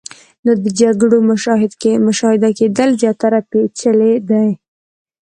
نو د جګړو مشاهده کېدل زیاتره پیچلې دي.